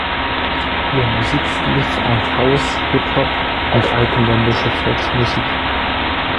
Ihr Musikstil vereint House, Hip-Hop und alpenländische Volksmusik.